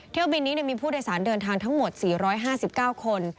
เที่ยวบินนี้มีผู้โดยสารเดินทางทั้งหมด๔๕๙คน